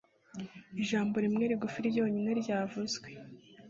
Ijambo rimwe rigufi ryonyine ryavuzwe